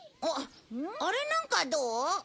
あれなんかどう？